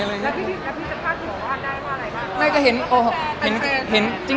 แล้วพี่จะภาพที่ผมวาดได้ว่าอะไรบ้าง